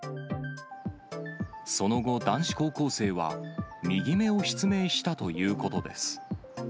その後、男子高校生は右目を失明したということです。